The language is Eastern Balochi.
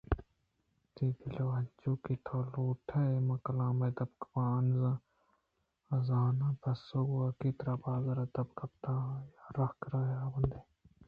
تئی دل ءَ انچو کہ تو لوٹئے من کلام ءَ دپ کپاں آزاناں پس ءُ گوکے کہ ترا بازار ءَ دپ کپیت؟ آ یک راہ ءُرَہبند یءِ رو ءَ اِنت